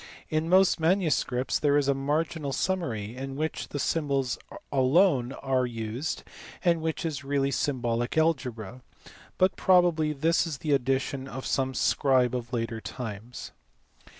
In most manuscripts there is a marginal summary in which the symbols alone are used and which is really symbolic algebra ; but probably this is the addition of some scribe of later times.